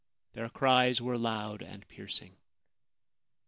Their cries were loud and piercing.